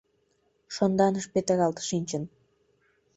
— Шонданыш петыралт шинчын.